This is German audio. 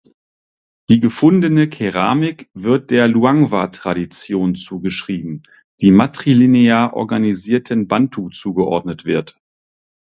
Die gefundene Keramik wird der Luangwa-Tradition zugeschrieben, die matrilinear organisierten Bantu zugeordnet wird.